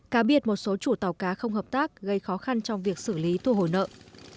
cá biết một số chủ tàu cá không hợp tác gây khó khăn trong việc xử lý thu hồi nợ